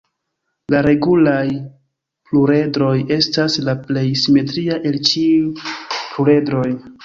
La regulaj pluredroj estas la plej simetria el ĉiuj pluredroj.